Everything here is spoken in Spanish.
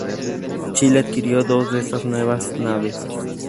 Chile adquirió dos de estas naves.